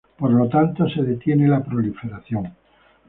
Por lo tanto, se detiene la proliferación.